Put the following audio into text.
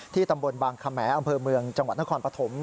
ตำบลบางขมอำเภอเมืองจังหวัดนครปฐม